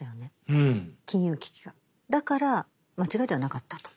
だから間違いではなかったと。